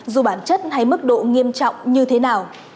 dù bản chất hay mức độ nghiêm trọng như thế nào